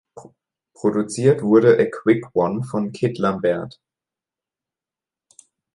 Produziert wurde "A Quick One" von Kit Lambert.